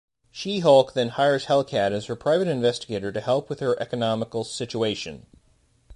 She-Hulk then hires Hellcat as her private investigator to help with her economical situation.